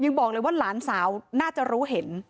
บอกเลยว่าหลานสาวน่าจะรู้เห็น